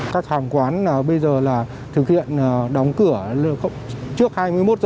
các hàng quán bây giờ là thực hiện đóng cửa trước hai mươi một h